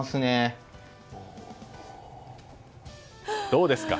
どうですか。